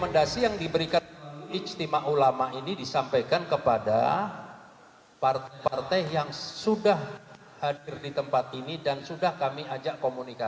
dan juga keadaan yang lebih baik